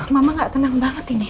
mama gak tenang banget ini